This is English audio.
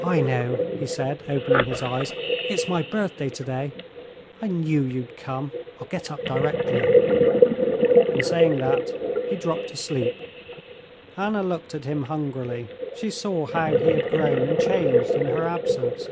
"I know," he said, opening his eyes; "it's my birthday today. I knew you'd come. I'll get up directly." And saying that he dropped asleep. Anna looked at him hungrily; she saw how he had grown and changed in her absence.